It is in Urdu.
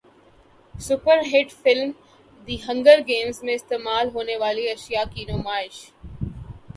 super hit film The Hunger Games میں استعمال ہونیوالی اشیاء کی نمائش